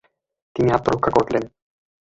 তিনি আত্মরক্ষা করলেন।